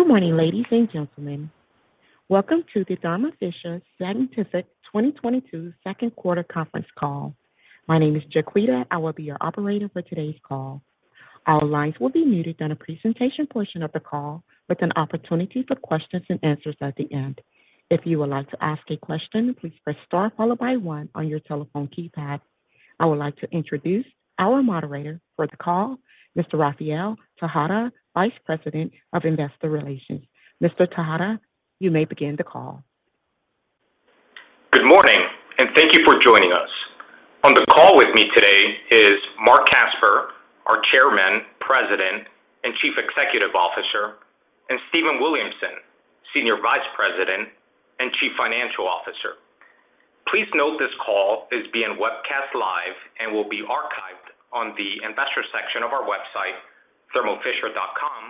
Good morning, ladies and gentlemen. Welcome to the Thermo Fisher Scientific 2022 second quarter conference call. My name is Jaquita. I will be your operator for today's call. All lines will be muted on the presentation portion of the call with an opportunity for questions and answers at the end. If you would like to ask a question, please press star followed by one on your telephone keypad. I would like to introduce our moderator for the call, Mr. Rafael Tejada, Vice President, Investor Relations. Mr. Tejada, you may begin the call. Good morning, and thank you for joining us. On the call with me today is Marc Casper, our Chairman, President, and Chief Executive Officer, and Stephen Williamson, Senior Vice President and Chief Financial Officer. Please note this call is being webcast live and will be archived on the investor section of our website, thermofisher.com,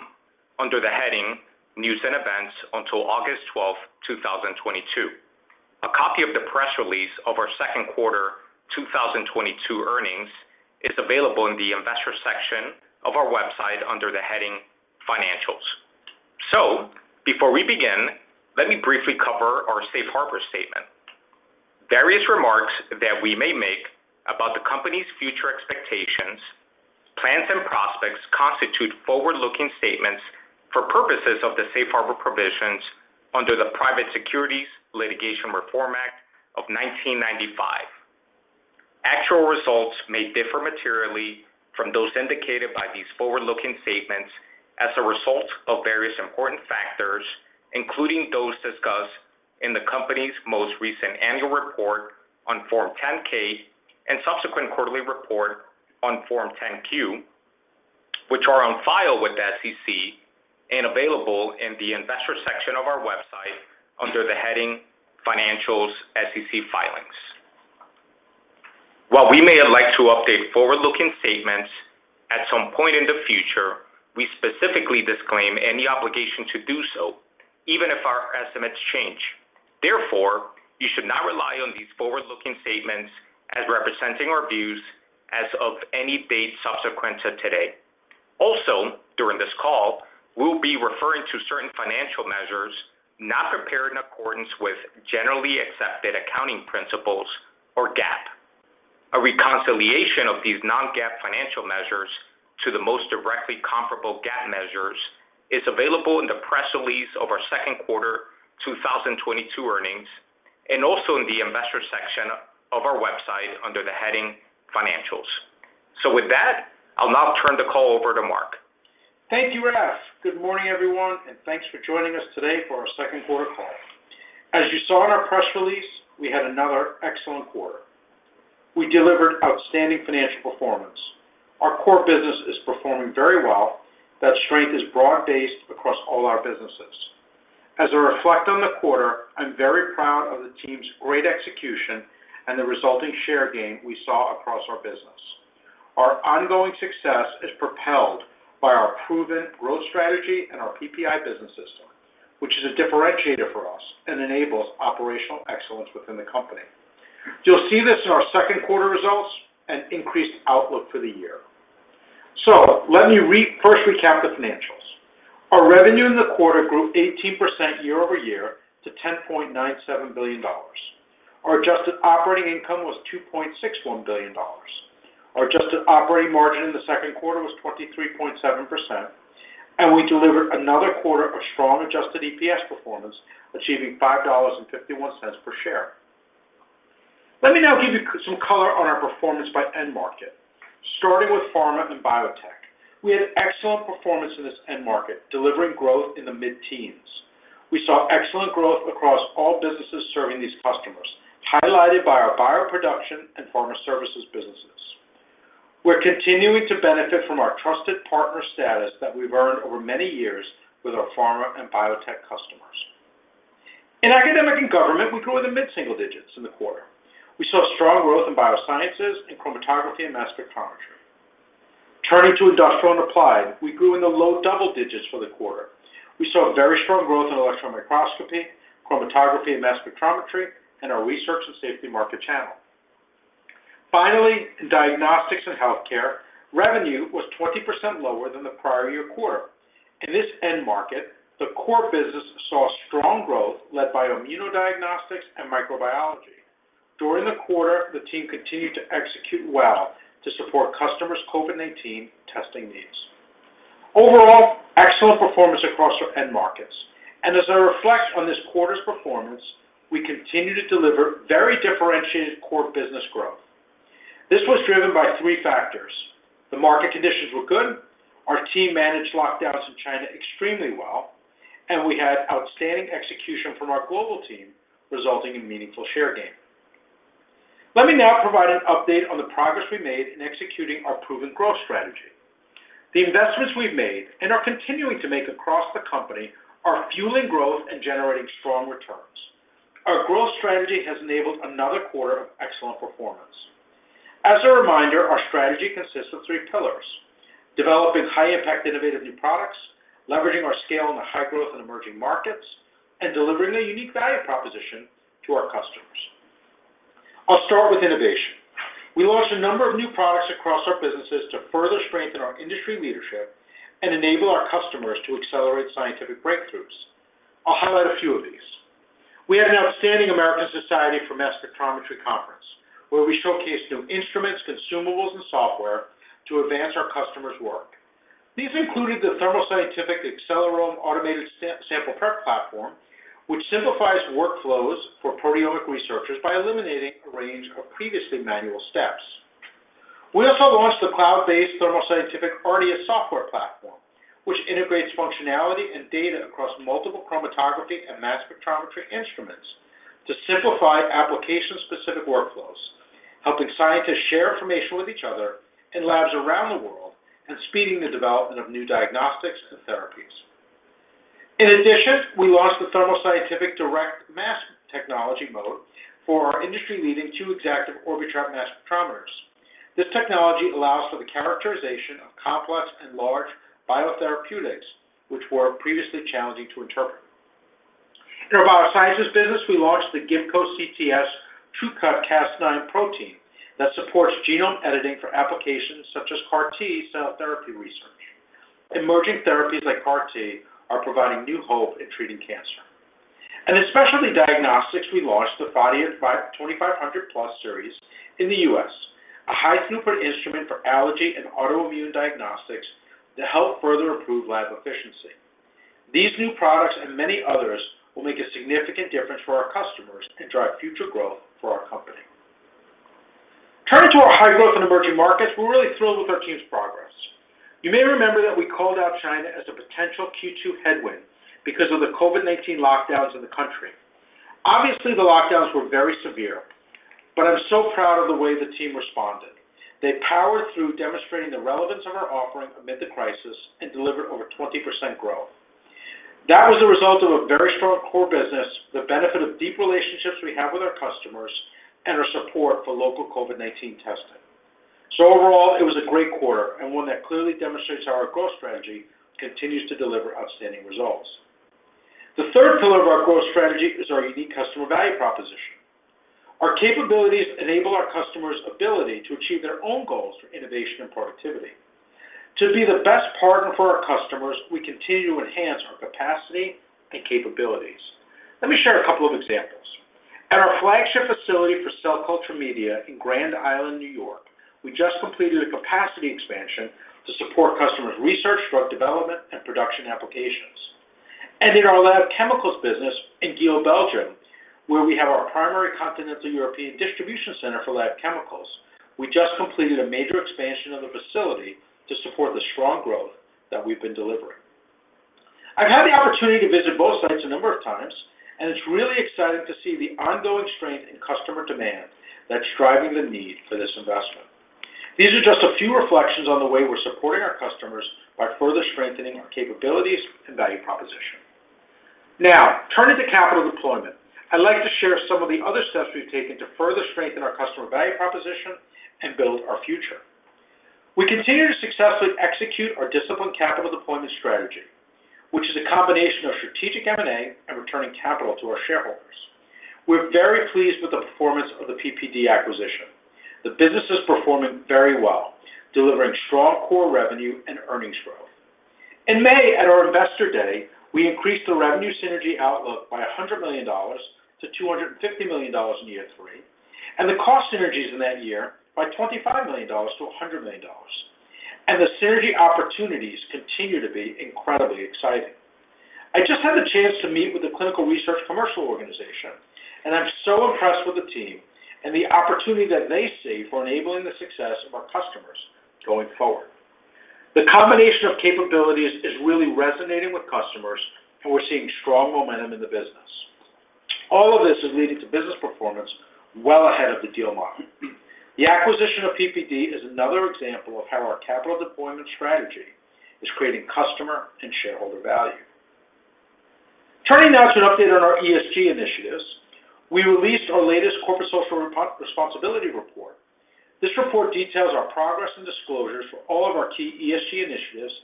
under the heading News and Events until August 12, 2022. A copy of the press release of our second quarter 2022 earnings is available in the investor section of our website under the heading Financials. Before we begin, let me briefly cover our safe harbor statement. Various remarks that we may make about the company's future expectations, plans and prospects constitute forward-looking statements for purposes of the safe harbor provisions under the Private Securities Litigation Reform Act of 1995. Actual results may differ materially from those indicated by these forward-looking statements as a result of various important factors, including those discussed in the company's most recent annual report on Form 10-K and subsequent quarterly report on Form 10-Q, which are on file with the SEC and available in the investor section of our website under the heading Financials & SEC Filings. While we may elect to update forward-looking statements at some point in the future, we specifically disclaim any obligation to do so, even if our estimates change. Therefore, you should not rely on these forward-looking statements as representing our views as of any date subsequent to today. Also, during this call, we'll be referring to certain financial measures not prepared in accordance with generally accepted accounting principles, or GAAP. A reconciliation of these non-GAAP financial measures to the most directly comparable GAAP measures is available in the press release of our second quarter 2022 earnings, and also in the investors section of our website under the heading Financials. With that, I'll now turn the call over to Marc. Thank you, Raf. Good morning, everyone, and thanks for joining us today for our second quarter call. As you saw in our press release, we had another excellent quarter. We delivered outstanding financial performance. Our core business is performing very well. That strength is broad-based across all our businesses. As I reflect on the quarter, I'm very proud of the team's great execution and the resulting share gain we saw across our business. Our ongoing success is propelled by our proven growth strategy and our PPI business system, which is a differentiator for us and enables operational excellence within the company. You'll see this in our second quarter results and increased outlook for the year. Let me first recap the financials. Our revenue in the quarter grew 18% year-over-year to $10.97 billion. Our adjusted operating income was $2.61 billion. Our adjusted operating margin in the second quarter was 23.7%, and we delivered another quarter of strong adjusted EPS performance, achieving $5.51 per share. Let me now give you some color on our performance by end market. Starting with pharma and biotech, we had excellent performance in this end market, delivering growth in the mid-teens. We saw excellent growth across all businesses serving these customers, highlighted by our bioproduction and pharma services businesses. We're continuing to benefit from our trusted partner status that we've earned over many years with our pharma and biotech customers. In academic and government, we grew in the mid-single digits in the quarter. We saw strong growth in biosciences and chromatography and mass spectrometry. Turning to industrial and applied, we grew in the low double digits for the quarter. We saw very strong growth in electron microscopy, chromatography and mass spectrometry, and our research and safety market channel. Finally, in diagnostics and healthcare, revenue was 20% lower than the prior year quarter. In this end market, the core business saw strong growth led by immunodiagnostics and microbiology. During the quarter, the team continued to execute well to support customers' COVID-19 testing needs. Overall, excellent performance across our end markets. As I reflect on this quarter's performance, we continue to deliver very differentiated core business growth. This was driven by three factors. The market conditions were good, our team managed lockdowns in China extremely well, and we had outstanding execution from our global team, resulting in meaningful share gain. Let me now provide an update on the progress we made in executing our proven growth strategy. The investments we've made and are continuing to make across the company are fueling growth and generating strong returns. Our growth strategy has enabled another quarter of excellent performance. As a reminder, our strategy consists of three pillars, developing high-impact innovative new products, leveraging our scale in the high-growth and emerging markets, and delivering a unique value proposition to our customers. I'll start with innovation. We launched a number of new products across our businesses to further strengthen our industry leadership and enable our customers to accelerate scientific breakthroughs. I'll highlight a few of these. We had an outstanding American Society for Mass Spectrometry conference where we showcased new instruments, consumables, and software to advance our customers' work. These included the Thermo Scientific AccelerOme automated sample prep platform, which simplifies workflows for proteomic researchers by eliminating a range of previously manual steps. We also launched the cloud-based Thermo Scientific Ardia software platform, which integrates functionality and data across multiple chromatography and mass spectrometry instruments to simplify application-specific workflows, helping scientists share information with each other in labs around the world and speeding the development of new diagnostics and therapies. In addition, we launched the Thermo Scientific Direct Mass Technology mode for our industry-leading two Exactive Orbitrap mass spectrometers. This technology allows for the characterization of complex and large biotherapeutics which were previously challenging to interpret. In our Biosciences business, we launched the Gibco CTS TrueCut Cas9 protein that supports genome editing for applications such as CAR T cell therapy research. Emerging therapies like CAR T are providing new hope in treating cancer. In Specialty Diagnostics, we launched the Phadia 2500+ series in the US, a high-throughput instrument for allergy and autoimmune diagnostics to help further improve lab efficiency. These new products and many others will make a significant difference for our customers and drive future growth for our company. Turning to our high-growth and emerging markets, we're really thrilled with our team's progress. You may remember that we called out China as a potential Q2 headwind because of the COVID-19 lockdowns in the country. Obviously, the lockdowns were very severe, but I'm so proud of the way the team responded. They powered through demonstrating the relevance of our offering amid the crisis and delivered over 20% growth. That was the result of a very strong core business, the benefit of deep relationships we have with our customers, and our support for local COVID-19 testing. Overall, it was a great quarter and one that clearly demonstrates how our growth strategy continues to deliver outstanding results. The third pillar of our growth strategy is our unique customer value proposition. Our capabilities enable our customers' ability to achieve their own goals for innovation and productivity. To be the best partner for our customers, we continue to enhance our capacity and capabilities. Let me share a couple of examples. At our flagship facility for cell culture media in Grand Island, New York, we just completed a capacity expansion to support customers' research, drug development, and production applications. In our lab chemicals business in Geel, Belgium, where we have our primary continental European distribution center for lab chemicals, we just completed a major expansion of the facility to support the strong growth that we've been delivering. I've had the opportunity to visit both sites a number of times, and it's really exciting to see the ongoing strength in customer demand that's driving the need for this investment. These are just a few reflections on the way we're supporting our customers by further strengthening our capabilities and value proposition. Now, turning to capital deployment, I'd like to share some of the other steps we've taken to further strengthen our customer value proposition and build our future. We continue to successfully execute our disciplined capital deployment strategy, which is a combination of strategic M&A and returning capital to our shareholders. We're very pleased with the performance of the PPD acquisition. The business is performing very well, delivering strong core revenue and earnings growth. In May, at our Investor Day, we increased the revenue synergy outlook by $100 million-$250 million in year three, and the cost synergies in that year by $25 million-$100 million. The synergy opportunities continue to be incredibly exciting. I just had the chance to meet with the clinical research commercial organization, and I'm so impressed with the team and the opportunity that they see for enabling the success of our customers going forward. The combination of capabilities is really resonating with customers, and we're seeing strong momentum in the business. All of this is leading to business performance well ahead of the deal model. The acquisition of PPD is another example of how our capital deployment strategy is creating customer and shareholder value. Turning now to an update on our ESG initiatives, we released our latest corporate social responsibility report. This report details our progress and disclosures for all of our key ESG initiatives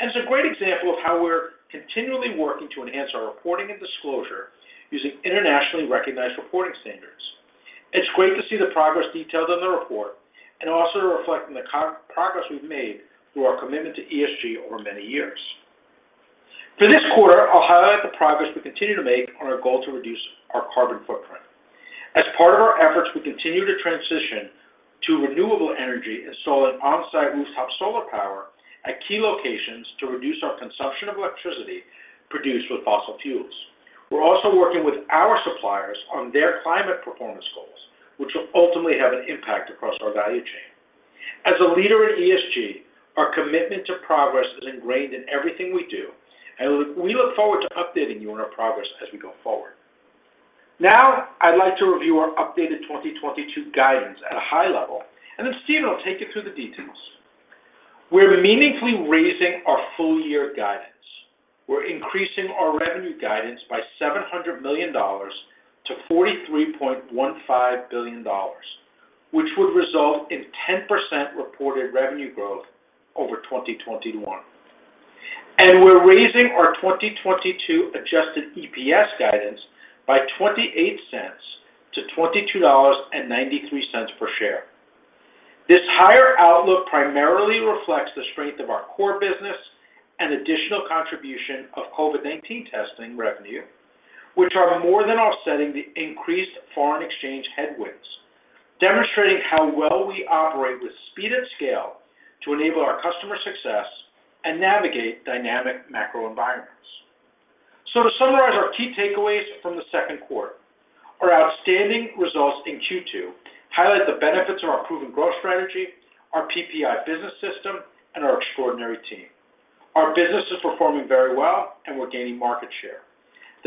and is a great example of how we're continually working to enhance our reporting and disclosure using internationally recognized reporting standards. It's great to see the progress detailed in the report and also reflecting the progress we've made through our commitment to ESG over many years. For this quarter, I'll highlight the progress we continue to make on our goal to reduce our carbon footprint. As part of our efforts, we continue to transition to renewable energy, installing on-site rooftop solar power at key locations to reduce our consumption of electricity produced with fossil fuels. We're also working with our suppliers on their climate performance goals, which will ultimately have an impact across our value chain. As a leader in ESG, our commitment to progress is ingrained in everything we do, and we look forward to updating you on our progress as we go forward. Now, I'd like to review our updated 2022 guidance at a high level, and then Stephen will take you through the details. We're meaningfully raising our full-year guidance. We're increasing our revenue guidance by $700 million-$43.15 billion, which would result in 10% reported revenue growth over 2021. We're raising our 2022 adjusted EPS guidance by $0.28-$22.93 per share. This higher outlook primarily reflects the strength of our core business and additional contribution of COVID-19 testing revenue, which are more than offsetting the increased foreign exchange headwinds, demonstrating how well we operate with speed and scale to enable our customer success and navigate dynamic macro environments. To summarize our key takeaways from the second quarter, our outstanding results in Q2 highlight the benefits of our proven growth strategy, our PPI business system, and our extraordinary team. Our business is performing very well, and we're gaining market share.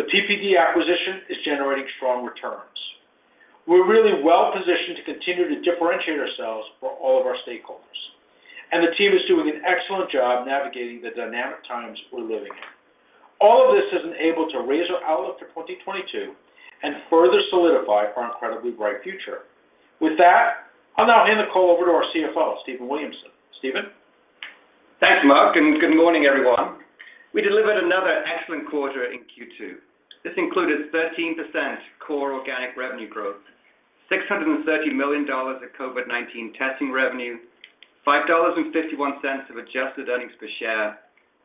The PPD acquisition is generating strong returns. We're really well-positioned to continue to differentiate ourselves for all of our stakeholders, and the team is doing an excellent job navigating the dynamic times we're living in. All of this has enabled to raise our outlook for 2022 and further solidify our incredibly bright future. With that, I'll now hand the call over to our CFO, Stephen Williamson. Stephen? Thanks, Marc, and good morning, everyone. We delivered another excellent quarter in Q2. This included 13% core organic revenue growth, $630 million of COVID-19 testing revenue, $5.51 of adjusted earnings per share,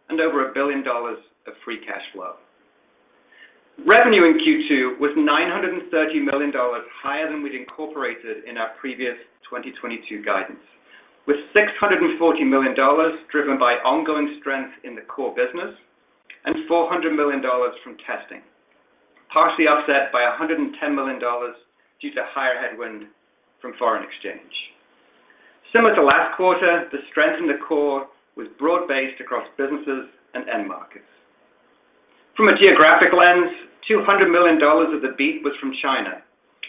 and over $1 billion of free cash flow. Revenue in Q2 was $930 million higher than we'd incorporated in our previous 2022 guidance. With $640 million driven by ongoing strength in the core business and $400 million from testing, partially offset by $110 million due to higher headwind from foreign exchange. Similar to last quarter, the strength in the core was broad-based across businesses and end markets. From a geographic lens, $200 million of the beat was from China.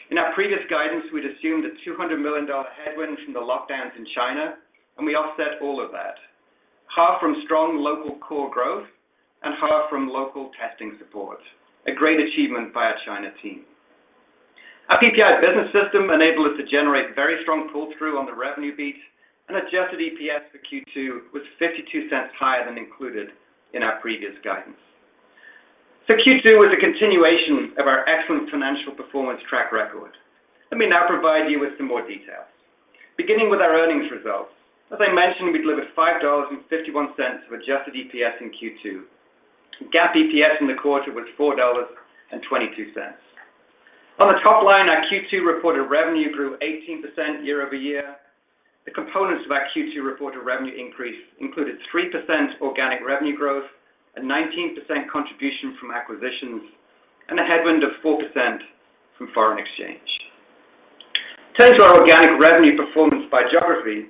In our previous guidance, we'd assumed a $200 million headwind from the lockdowns in China, and we offset all of it, half from strong local core growth and half from local testing support. A great achievement by our China team. Our PPI business system enabled us to generate very strong pull-through on the revenue beat, and adjusted EPS for Q2 was $0.52 higher than included in our previous guidance. Q2 was a continuation of our excellent financial performance track record. Let me now provide you with some more details. Beginning with our earnings results, as I mentioned, we delivered $5.51 of adjusted EPS in Q2. GAAP EPS in the quarter was $4.22. On the top line, our Q2 reported revenue grew 18% year over year. The components of our Q2 reported revenue increase included 3% organic revenue growth and 19% contribution from acquisitions and a headwind of 4% from foreign exchange. Turning to our organic revenue performance by geography,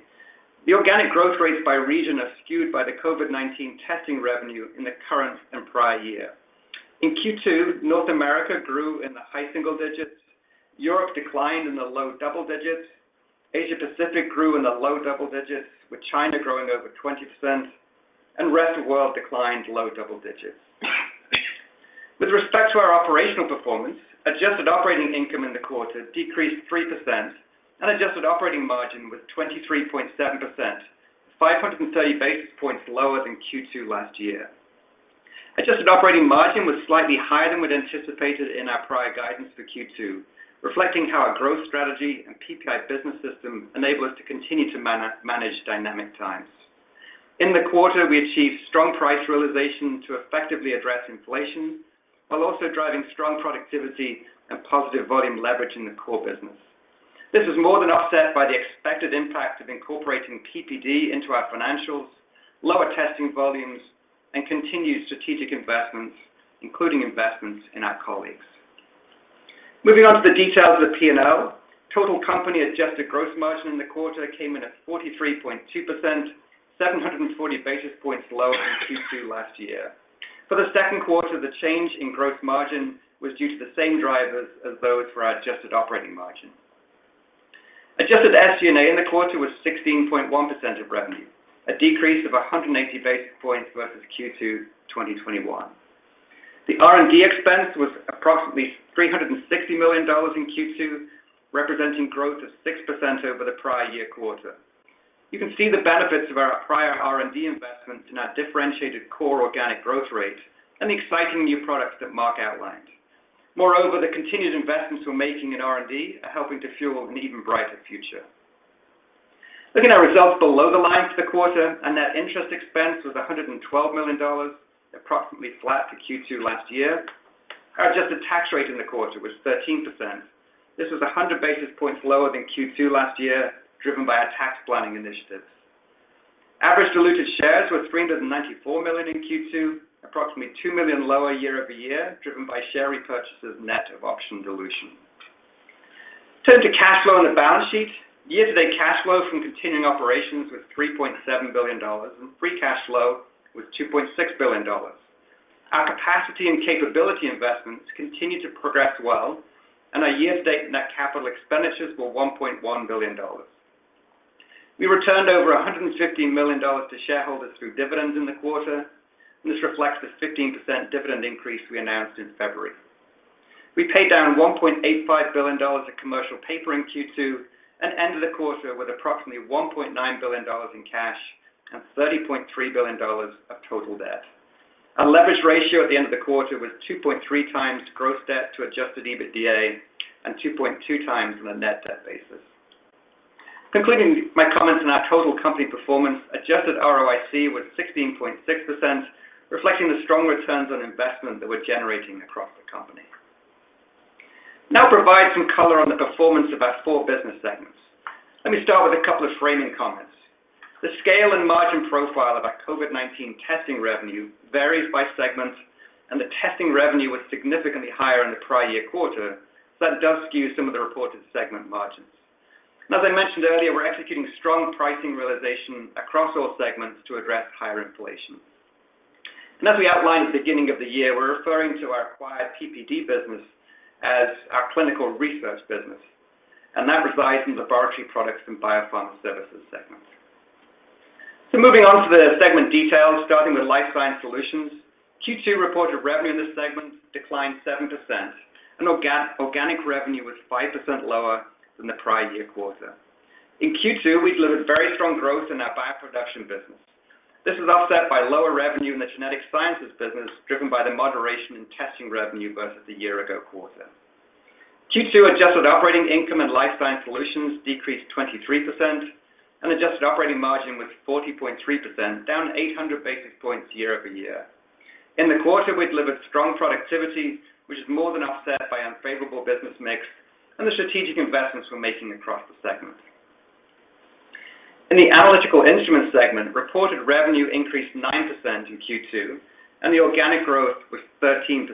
the organic growth rates by region are skewed by the COVID-19 testing revenue in the current and prior year. In Q2, North America grew in the high single digits. Europe declined in the low double digits. Asia Pacific grew in the low double digits, with China growing over 20%, and rest of world declined low double digits. With respect to our operational performance, adjusted operating income in the quarter decreased 3% and adjusted operating margin was 23.7%, 530 basis points lower than Q2 last year. Adjusted operating margin was slightly higher than we'd anticipated in our prior guidance for Q2, reflecting how our growth strategy and PPI business system enable us to continue to manage dynamic times. In the quarter, we achieved strong price realization to effectively address inflation, while also driving strong productivity and positive volume leverage in the core business. This was more than offset by the expected impact of incorporating PPD into our financials, lower testing volumes, and continued strategic investments, including investments in our colleagues. Moving on to the details of P&L. Total company adjusted gross margin in the quarter came in at 43.2%, 740 basis points lower than Q2 last year. For the second quarter, the change in gross margin was due to the same drivers as those for our adjusted operating margin. Adjusted SG&A in the quarter was 16.1% of revenue, a decrease of 180 basis points versus Q2 2021. The R&D expense was approximately $360 million in Q2, representing growth of 6% over the prior year quarter. You can see the benefits of our prior R&D investments in our differentiated core organic growth rate and the exciting new products that Marc outlined. Moreover, the continued investments we're making in R&D are helping to fuel an even brighter future. Looking at results below the line for the quarter our net interest expense was $112 million, approximately flat to Q2 last year. Our adjusted tax rate in the quarter was 13%. This was 100 basis points lower than Q2 last year, driven by our tax planning initiatives. Average diluted shares were 394 million in Q2, approximately two million lower year-over-year, driven by share repurchases net of option dilution. Turning to cash flow and the balance sheet, year-to-date cash flow from continuing operations was $3.7 billion, and free cash flow was $2.6 billion. Our capacity and capability investments continue to progress well, and our year-to-date net capital expenditures were $1.1 billion. We returned over $115 million to shareholders through dividends in the quarter, and this reflects the 15% dividend increase we announced in February. We paid down $1.85 billion of commercial paper in Q2 and ended the quarter with approximately $1.9 billion in cash and $30.3 billion of total debt. Our leverage ratio at the end of the quarter was 2.3 times gross debt to Adjusted EBITDA and 2.2 times on a net debt basis. Concluding my comments on our total company performance, Adjusted ROIC was 16.6%, reflecting the strong returns on investment that we're generating across the company. Now provide some color on the performance of our four business segments. Let me start with a couple of framing comments. The scale and margin profile of our COVID-19 testing revenue varies by segment, and the testing revenue was significantly higher in the prior year quarter, so that does skew some of the reported segment margins. Now, as I mentioned earlier, we're executing strong pricing realization across all segments to address higher inflation. As we outlined at the beginning of the year, we're referring to our acquired PPD business as our clinical research business, and that resides in Laboratory Products and Biopharma Services segments. Moving on to the segment details, starting with Life Science Solutions. Q2 reported revenue in this segment declined 7% and organic revenue was 5% lower than the prior year quarter. In Q2, we delivered very strong growth in our bioproduction business. This was offset by lower revenue in the genetic sciences business, driven by the moderation in testing revenue versus the year-ago quarter. Q2 adjusted operating income in Life Science Solutions decreased 23% and adjusted operating margin was 40.3%, down 800 basis points year-over-year. In the quarter, we delivered strong productivity, which is more than offset by unfavorable business mix and the strategic investments we're making across the segment. In the Analytical Instruments segment, reported revenue increased 9% in Q2, and the organic growth was 13%.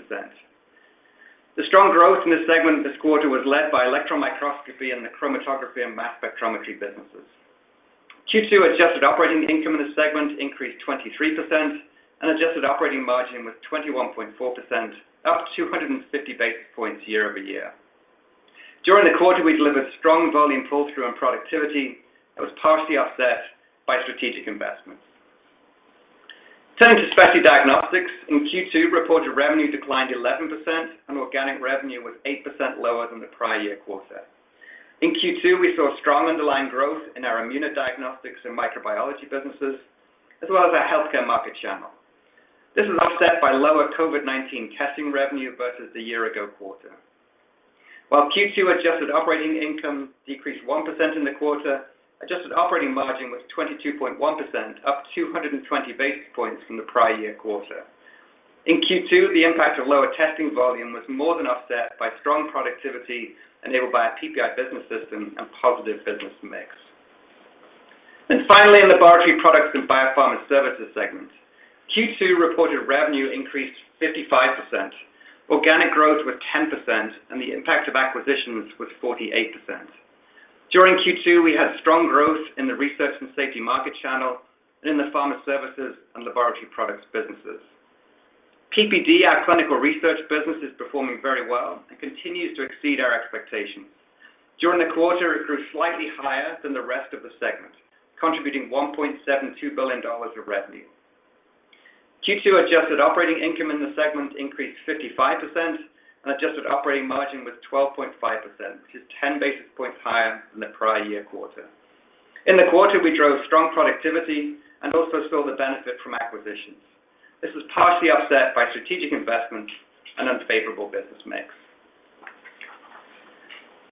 The strong growth in this segment this quarter was led by electron microscopy and the chromatography and mass spectrometry businesses. Q2 adjusted operating income in this segment increased 23% and adjusted operating margin was 21.4%, up 250 basis points year-over-year. During the quarter, we delivered strong volume pull-through and productivity that was partially offset by strategic investments. Turning to Specialty Diagnostics. In Q2, reported revenue declined 11% and organic revenue was 8% lower than the prior year quarter. In Q2, we saw strong underlying growth in our immunodiagnostics and microbiology businesses, as well as our healthcare market channel. This was offset by lower COVID-19 testing revenue versus the year-ago quarter. While Q2 adjusted operating income decreased 1% in the quarter, adjusted operating margin was 22.1%, up 220 basis points from the prior year quarter. In Q2, the impact of lower testing volume was more than offset by strong productivity enabled by our PPI business system and positive business mix. Finally, in Laboratory Products and Biopharma Services segment, Q2 reported revenue increased 55%. Organic growth was 10%, and the impact of acquisitions was 48%. During Q2, we had strong growth in the research and safety market channel and in the pharma services and laboratory products businesses. PPD, our clinical research business, is performing very well and continues to exceed our expectations. During the quarter, it grew slightly higher than the rest of the segment, contributing $1.72 billion of revenue. Q2 adjusted operating income in the segment increased 55% and adjusted operating margin was 12.5%, which is 10 basis points higher than the prior year quarter. In the quarter, we drove strong productivity and also saw the benefit from acquisitions. This was partially offset by strategic investment and unfavorable business mix.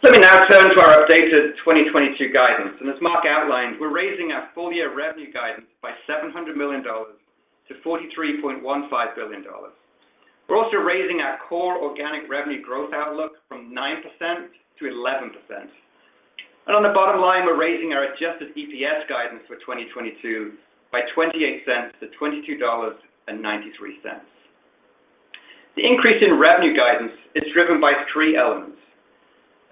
Let me now turn to our updated 2022 guidance. As Marc outlined, we're raising our full-year revenue guidance by $700 million- $43.15 billion. We're also raising our core organic revenue growth outlook from 9%-11%. On the bottom line, we're raising our adjusted EPS guidance for 2022 by $0.28-$22.93. The increase in revenue guidance is driven by three elements.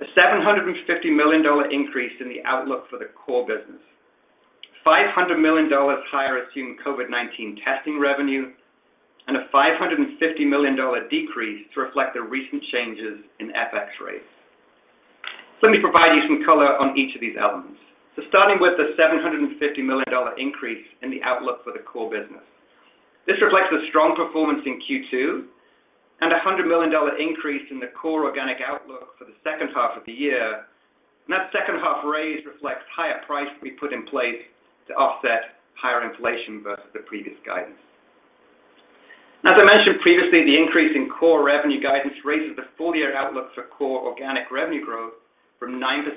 A $750 million increase in the outlook for the core business. $500 million higher assumed COVID-19 testing revenue, and a $550 million decrease to reflect the recent changes in FX rates. Let me provide you some color on each of these elements. Starting with the $750 million increase in the outlook for the core business. This reflects the strong performance in Q2 and a $100 million increase in the core organic outlook for the second half of the year. That second half raise reflects higher price we put in place to offset higher inflation versus the previous guidance. Now, as I mentioned previously, the increase in core revenue guidance raises the full-year outlook for core organic revenue growth from 9%-11%.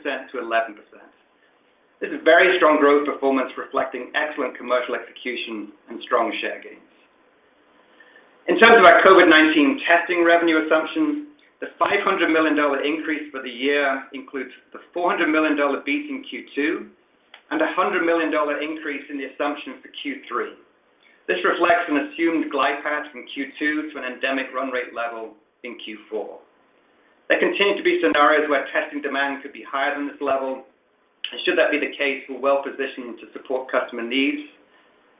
This is very strong growth performance reflecting excellent commercial execution and strong share gains. In terms of our COVID-19 testing revenue assumptions, the $500 million increase for the year includes the $400 million beat in Q2 and a $100 million increase in the assumptions for Q3. This reflects an assumed glide path from Q2 to an endemic run rate level in Q4. There continue to be scenarios where testing demand could be higher than this level. Should that be the case, we're well-positioned to support customer needs.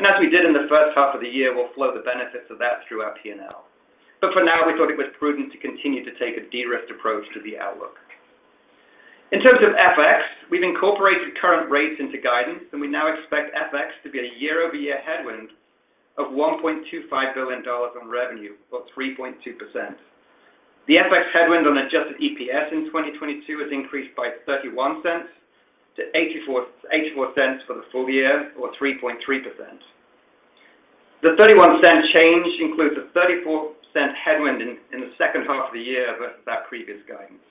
As we did in the first half of the year, we'll flow the benefits of that through our P&L. For now, we thought it was prudent to continue to take a de-risked approach to the outlook. In terms of FX, we've incorporated current rates into guidance, and we now expect FX to be a year-over-year headwind of $1.25 billion in revenue, or 3.2%. The FX headwind on adjusted EPS in 2022 has increased by $0.31 -$0.84 for the full year or 3.3%. The $0.31 change includes a $0.34 headwind in the second half of the year versus our previous guidance.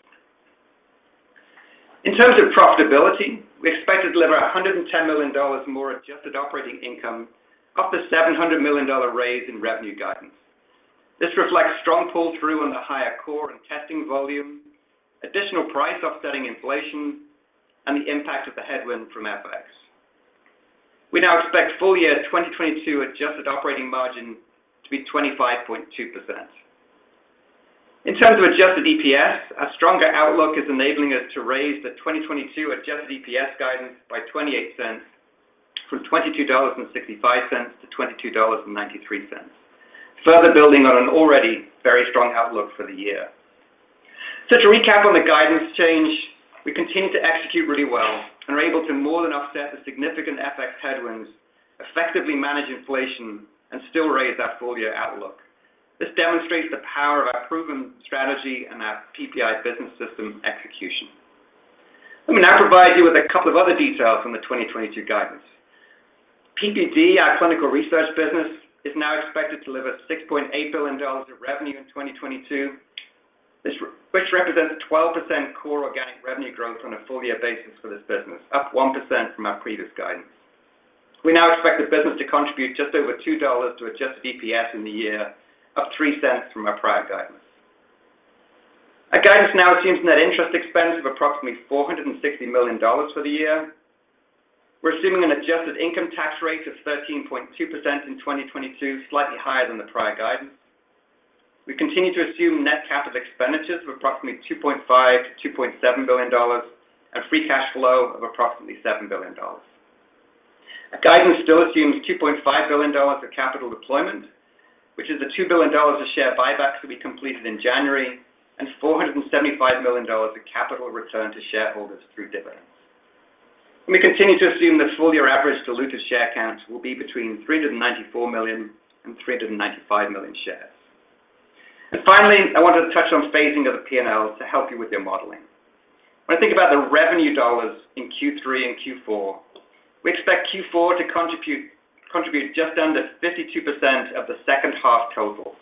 In terms of profitability, we expect to deliver $110 million more adjusted operating income off the $700 million raise in revenue guidance. This reflects strong pull-through on the higher core and testing volume, additional price offsetting inflation, and the impact of the headwind from FX. We now expect full year 2022 adjusted operating margin to be 25.2%. In terms of Adjusted EPS, a stronger outlook is enabling us to raise the 2022 Adjusted EPS guidance by $0.28 from $22.65-$22.93, further building on an already very strong outlook for the year. To recap on the guidance change, we continue to execute really well and are able to more than offset the significant FX headwinds, effectively manage inflation and still raise our full year outlook. This demonstrates the power of our proven strategy and our PPI business system execution. Let me now provide you with a couple of other details from the 2022 guidance. PPD, our clinical research business, is now expected to deliver $6.8 billion of revenue in 2022. Which represents 12% core organic revenue growth on a full year basis for this business, up 1% from our previous guidance. We now expect the business to contribute just over $2 to adjusted EPS in the year, up $0.03 from our prior guidance. Our guidance now assumes net interest expense of approximately $460 million for the year. We're assuming an adjusted income tax rate of 13.2% in 2022, slightly higher than the prior guidance. We continue to assume net capital expenditures of approximately $2.5 billion-$2.7 billion and free cash flow of approximately $7 billion. Our guidance still assumes $2.5 billion of capital deployment, which is the $2 billion of share buybacks will be completed in January and $475 million of capital returned to shareholders through dividends. We continue to assume the full year average diluted share count will be between 394 million and 395 million shares. Finally, I wanted to touch on phasing of the P&L to help you with your modeling. When I think about the revenue dollars in Q3 and Q4, we expect Q4 to contribute just under 52% of the second half total.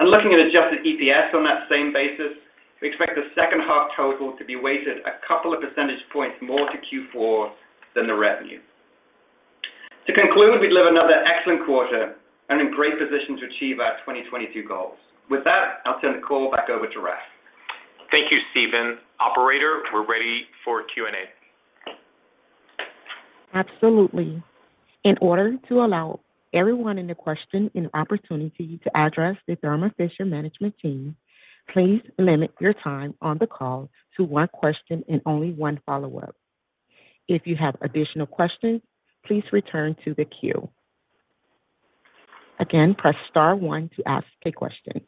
Looking at adjusted EPS on that same basis, we expect the second half total to be weighted a couple of percentage points more to Q4 than the revenue. To conclude, we delivered another excellent quarter and in great position to achieve our 2022 goals. With that, I'll turn the call back over to Raf. Thank you, Stephen. Operator, we're ready for Q&A. Absolutely. In order to allow everyone with a question an opportunity to address the Thermo Fisher management team, please limit your time on the call to one question and only one follow-up. If you have additional questions, please return to the queue. Again, press star one to ask a question.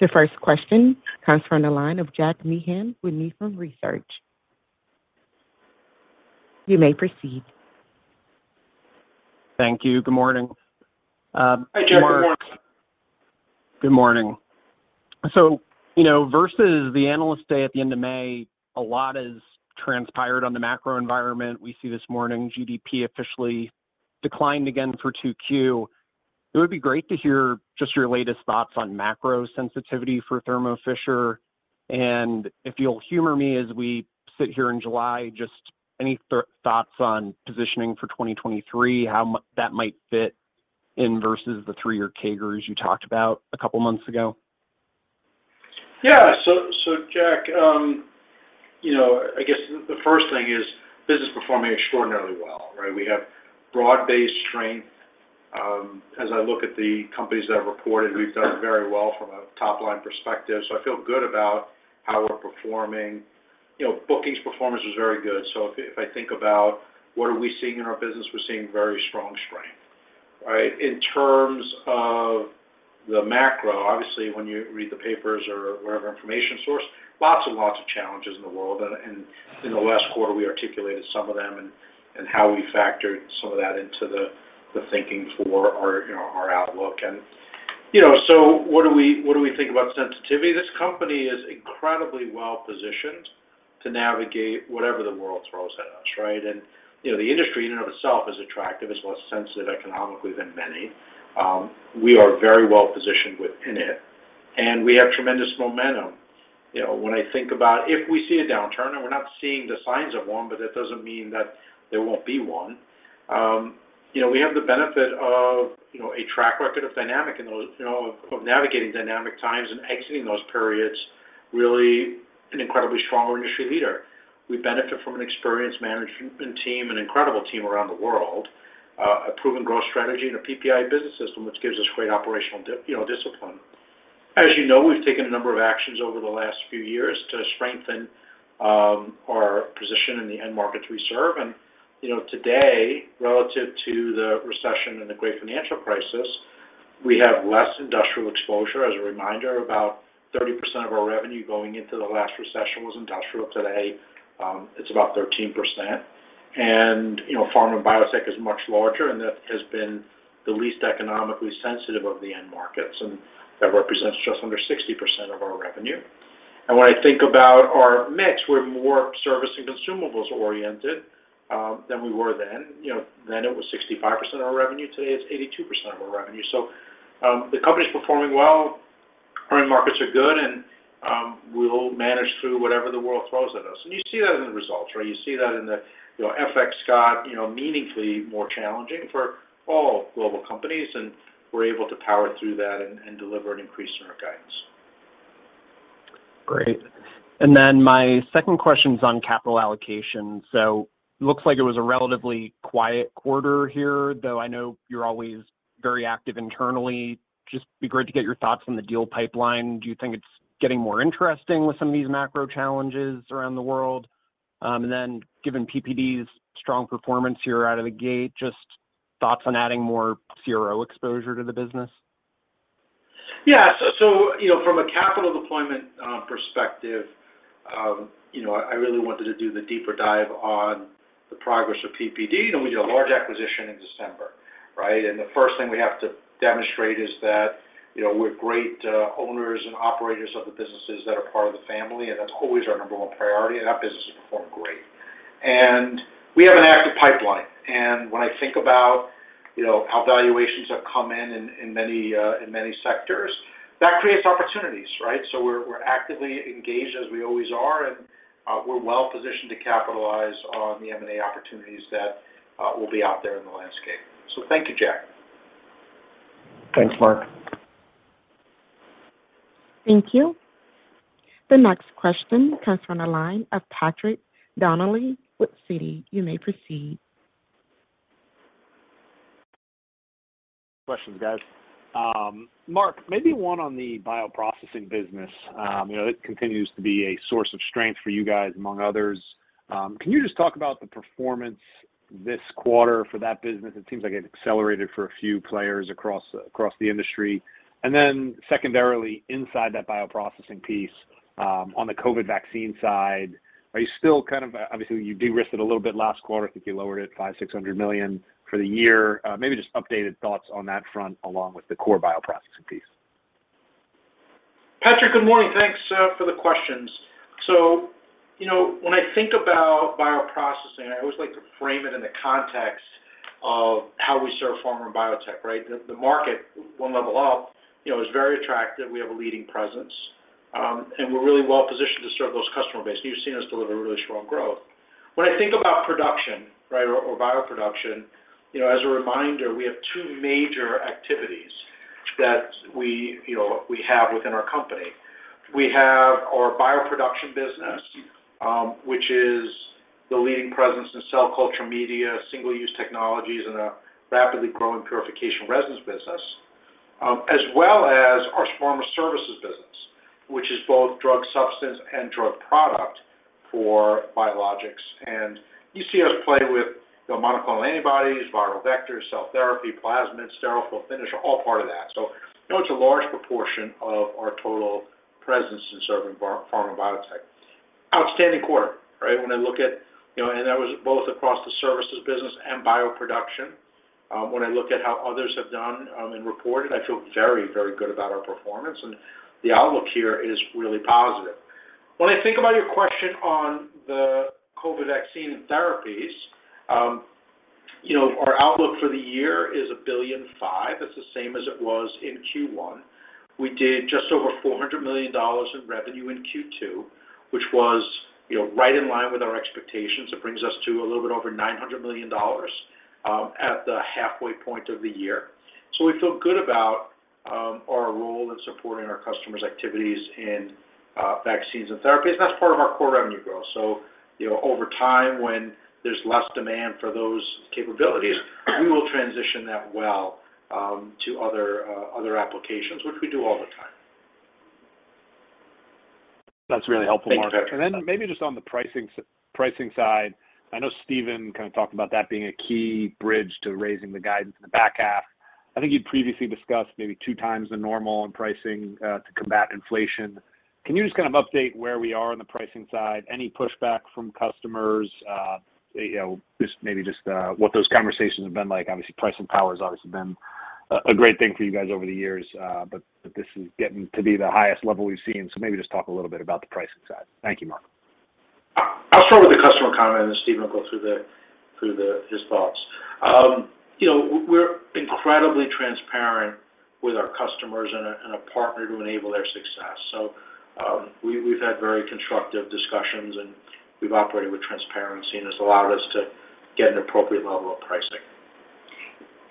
The first question comes from the line of Jack Meehan with Nephron Research. You may proceed. Thank you. Good morning. Marc. Hi, Jack. Good morning. Good morning. You know, versus the Investor Day at the end of May, a lot has transpired on the macro environment. We see this morning GDP officially declined again for 2Q. It would be great to hear just your latest thoughts on macro sensitivity for Thermo Fisher. If you'll humor me as we sit here in July, just any thoughts on positioning for 2023, how that might fit in versus the three-year CAGRs you talked about a couple months ago? Yeah. Jack, you know, I guess the first thing is business performing extraordinarily well, right? We have broad-based strength. As I look at the companies that have reported, we've done very well from a top-line perspective. I feel good about how we're performing. You know, bookings performance was very good. If I think about what we're seeing in our business, we're seeing very strong strength. All right. In terms of the macro, obviously, when you read the papers or whatever information source, lots and lots of challenges in the world. In the last quarter, we articulated some of them and how we factored some of that into the thinking for our outlook. You know, what do we think about sensitivity? This company is incredibly well-positioned to navigate whatever the world throws at us, right? You know, the industry in and of itself is attractive. It's less sensitive economically than many. We are very well positioned within it, and we have tremendous momentum. You know, when I think about if we see a downturn, and we're not seeing the signs of one, but that doesn't mean that there won't be one. You know, we have the benefit of a track record of navigating dynamic times and exiting those periods really, incredibly stronger industry leader. We benefit from an experienced management team, an incredible team around the world, a proven growth strategy and a PPI business system, which gives us great operational discipline. As you know, we've taken a number of actions over the last few years to strengthen our position in the end markets we serve. You know, today, relative to the recession and the great financial crisis, we have less industrial exposure. As a reminder, about 30% of our revenue going into the last recession was industrial. Today, it's about 13%. You know, pharma and biotech is much larger, and that has been the least economically sensitive of the end markets, and that represents just under 60% of our revenue. When I think about our mix, we're more service and consumables oriented than we were then. You know, then it was 65% of our revenue. Today, it's 82% of our revenue. The company's performing well. Current markets are good, and we'll manage through whatever the world throws at us. You see that in the results, right? You see that in the, you know, FX got, you know, meaningfully more challenging for all global companies, and we're able to power through that and deliver an increase in our guidance. Great. My second question is on capital allocation. Looks like it was a relatively quiet quarter here, though I know you're always very active internally. Just be great to get your thoughts on the deal pipeline. Do you think it's getting more interesting with some of these macro challenges around the world? Given PPD's strong performance here out of the gate, just thoughts on adding more CRO exposure to the business? Yeah. From a capital deployment perspective, you know, I really wanted to do the deeper dive on the progress of PPD. You know, we did a large acquisition in December, right? The first thing we have to demonstrate is that, you know, we're great owners and operators of the businesses that are part of the family, and that's always our number one priority, and that business has performed great. We have an active pipeline. When I think about, you know, how valuations have come in in many sectors, that creates opportunities, right? We're actively engaged as we always are, and we're well positioned to capitalize on the M&A opportunities that will be out there in the landscape. Thank you, Jack. Thanks, Marc. Thank you. The next question comes from the line of Patrick Donnelly with Citi. You may proceed. Questions, guys. Marc, maybe one on the bioprocessing business. You know, it continues to be a source of strength for you guys, among others. Can you just talk about the performance this quarter for that business? It seems like it accelerated for a few players across the industry. Secondarily, inside that bioprocessing piece, on the COVID vaccine side, are you still kind of, obviously, you de-risked it a little bit last quarter. I think you lowered it $500-$600 million for the year. Maybe just updated thoughts on that front, along with the core bioprocessing piece. Patrick, good morning. Thanks for the questions. You know, when I think about bioprocessing, I always like to frame it in the context of how we serve pharma and biotech, right? The market, one level up, you know, is very attractive. We have a leading presence, and we're really well positioned to serve those customer base. You've seen us deliver really strong growth. When I think about production, right, or bioproduction, you know, as a reminder, we have two major activities that we have within our company. We have our bioproduction business, which is the leading presence in cell culture media, single-use technologies, and a rapidly growing purification resins business, as well as our pharma services business, which is both drug substance and drug product for biologics. You see us play with, you know, monoclonal antibodies, viral vectors, cell therapy, plasmids, sterile fill finish, all part of that. You know, it's a large proportion of our total presence in serving pharma and biotech. Outstanding quarter, right? When I look at, you know, and that was both across the services business and bioproduction. When I look at how others have done, and reported, I feel very, very good about our performance, and the outlook here is really positive. When I think about your question on the COVID vaccine and therapies, you know, our outlook for the year is $1.5 billion. That's the same as it was in Q1. We did just over $400 million in revenue in Q2, which was, you know, right in line with our expectations. It brings us to a little bit over $900 million at the halfway point of the year. We feel good about our role in supporting our customers' activities in vaccines and therapies, and that's part of our core revenue growth. You know, over time, when there's less demand for those capabilities, we will transition that well to other applications, which we do all the time. That's really helpful, Marc. Thanks, Patrick. Maybe just on the pricing side, I know Stephen kind of talked about that being a key bridge to raising the guidance in the back half. I think you'd previously discussed maybe two times the normal in pricing to combat inflation. Can you just kind of update where we are on the pricing side? Any pushback from customers? You know, just maybe what those conversations have been like. Obviously, pricing power has obviously been a great thing for you guys over the years. But this is getting to be the highest level we've seen. Maybe just talk a little bit about the pricing side. Thank you, Marc. I'll start with the customer comment, and then Stephen will go through his thoughts. You know, we're incredibly transparent with our customers and a partner to enable their success. We've had very constructive discussions, and we've operated with transparency, and it's allowed us to get an appropriate level of pricing.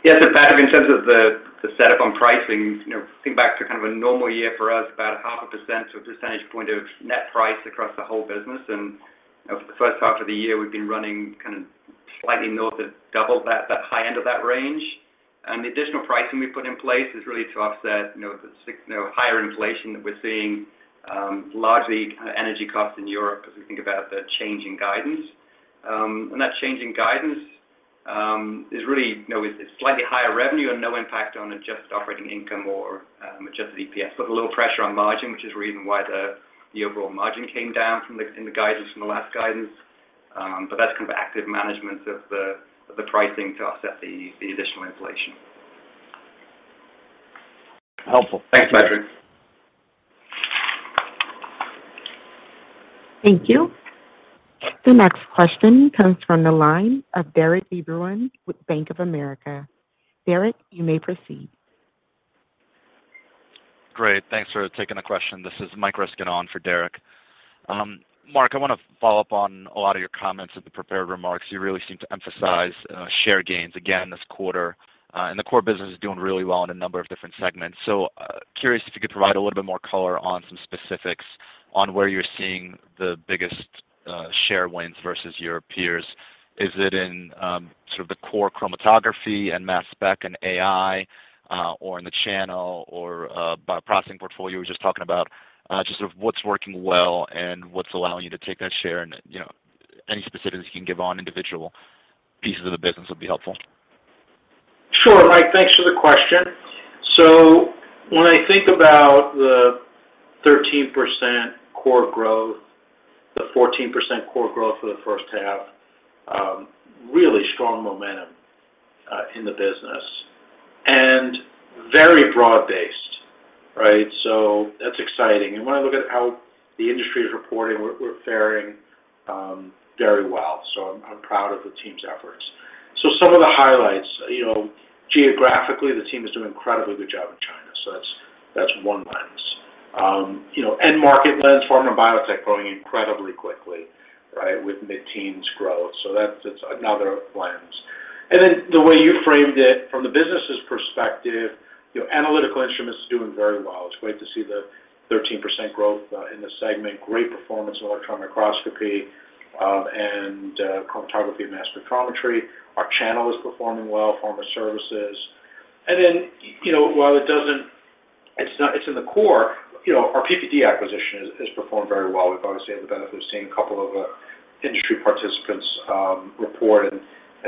Yes. In fact, in terms of the setup on pricing, you know, think back to kind of a normal year for us, about 0.5% to 1 percentage point of net price across the whole business. You know, for the first half of the year, we've been running kind of slightly north of double that high end of that range. The additional pricing we've put in place is really to offset, you know, the 6% higher inflation that we're seeing, largely energy costs in Europe as we think about the change in guidance. That change in guidance is really, you know, it's slightly higher revenue and no impact on Adjusted operating income or Adjusted EPS. A little pressure on margin, which is the reason why the overall margin came down in the guidance from the last guidance. That's kind of active management of the pricing to offset the additional inflation. Helpful. Thanks, Patrick. Thank you. The next question comes from the line of Derik de Bruin with Bank of America. Derik, you may proceed. Great. Thanks for taking the question. This is Michael Ryskin on for Derik. Marc, I wanna follow up on a lot of your comments in the prepared remarks. You really seem to emphasize share gains again this quarter, and the core business is doing really well in a number of different segments. Curious if you could provide a little bit more color on some specifics on where you're seeing the biggest share wins versus your peers. Is it in sort of the core chromatography and mass spec and AI, or in the channel or bioprocessing portfolio you were just talking about? Just sort of what's working well and what's allowing you to take that share and, you know, any specifics you can give on individual pieces of the business would be helpful? Sure, Mike. Thanks for the question. When I think about the 13% core growth, the 14% core growth for the first half, really strong momentum in the business, and very broad-based, right? That's exciting. When I look at how the industry is reporting, we're faring very well. I'm proud of the team's efforts. Some of the highlights. You know, geographically, the team is doing an incredibly good job in China. That's one lens. You know, end market lens, pharma biotech growing incredibly quickly, right, with mid-teens growth. It's another lens. Then the way you framed it from the business's perspective, you know, Analytical Instruments is doing very well. It's great to see the 13% growth in the segment. Great performance in Electron Microscopy and Chromatography and Mass Spectrometry. Our channel is performing well, pharma services. Then, you know, while it's in the core, you know, our PPD acquisition has performed very well. We've obviously had the benefit of seeing a couple of industry participants report and